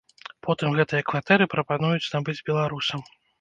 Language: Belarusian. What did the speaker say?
Потым гэтыя кватэры прапануюць набыць беларусам.